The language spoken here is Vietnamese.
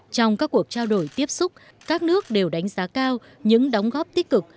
trong các cuộc trao đổi tiếp xúc các nước đều đánh giá cao những đóng góp tích cực